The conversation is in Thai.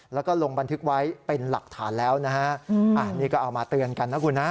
แล้วก็ลงบันทึกไว้เป็นหลักฐานแล้วนะฮะนี่ก็เอามาเตือนกันนะคุณนะ